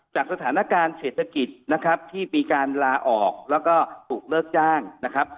จากสถานการณ์เศรษฐกิจนะครับที่มีการลาออกแล้วก็ถูกเลิกจ้างนะครับ